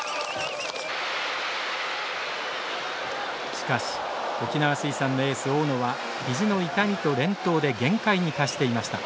しかし沖縄水産のエース・大野は肘の痛みと連投で限界に達していました。